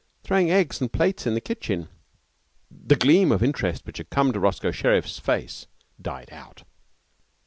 'Throwing eggs and plates in the kitchen.' The gleam of interest which had come into Roscoe Sherriff's face died out.